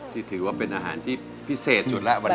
ถือว่าเป็นอาหารที่พิเศษสุดแล้ววันนี้